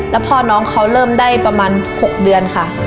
แล้วพ่อน้องเขาเริ่มได้ประมาณ๖เดือนค่ะ